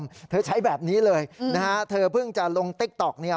เธอใช้แบบนี้เลยนะฮะเธอเพิ่งจะลงติ๊กต๊อกเนี่ย